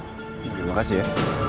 terima kasih ya